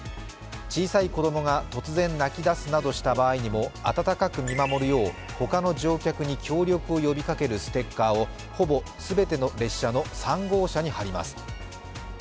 小さい子供が突然泣き出すなどした場合にも、温かく見守るよう他の乗客に協力を呼びかけるステッカーをほぼ全ての列車の３号車に貼ります。